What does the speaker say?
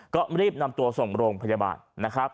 ก็รีบนำตัวส่งโรงพยาบาลนะครับ